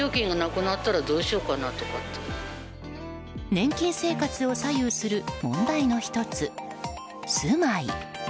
年金生活を左右する問題の１つ住まい。